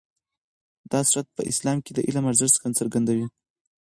دا سورت په اسلام کې د علم ارزښت څرګندوي.